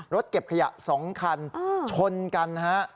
รถเก็บขยะสองคันชนกันฮะ